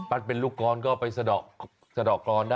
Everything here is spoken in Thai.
ปั้นเป็นลูกกรอนก็เอาไปเสดอกรอนได้